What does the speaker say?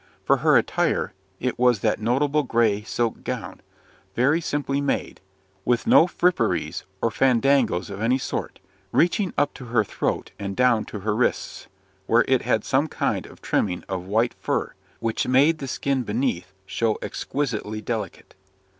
For her attire, it was that notable grey silk gown very simply made, with no fripperies or fandangos of any sort reaching up to her throat and down to her wrists, where it had some kind of trimming of white fur, which made the skin beneath show exquisitely delicate.